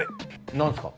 何ですか？